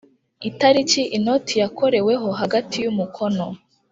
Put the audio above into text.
Itariki inoti yakoreweho hagati y umukono